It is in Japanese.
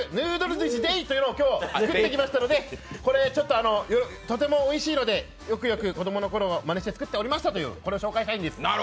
ずしでぃというのを作ってきましたのでこれ、とてもおいしいので、よくよく子供のころまねして作っておりましたとこれを紹介したいんです。